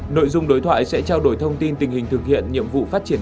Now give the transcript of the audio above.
nội dung đối thoại sẽ trao đổi thông tin tình hình thực hiện nhiệm vụ phát triển